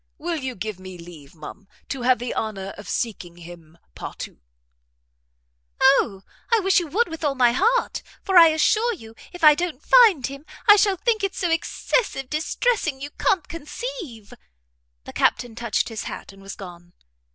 Will you give me leave, ma'am, to have the honour of seeking him partout?" "O, I wish you would with all my heart; for I assure you if I don't find him, I shall think it so excessive distressing you can't conceive." The Captain touched his hat, and was gone.